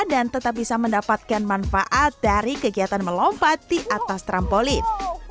dan tetap bisa mendapatkan manfaat dari kegiatan melompat di atas trampolin